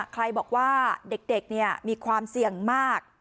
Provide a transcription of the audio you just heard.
ใครบอกว่าเด็กมีความเสี่ยงมาก